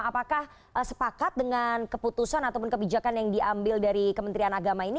apakah sepakat dengan keputusan ataupun kebijakan yang diambil dari kementerian agama ini